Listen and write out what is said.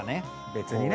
別にね。